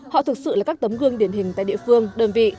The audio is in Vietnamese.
họ thực sự là các tấm gương điển hình tại địa phương đơn vị